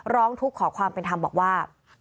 ร้องทุกข์ขอความเป็นธรรมบอกว่า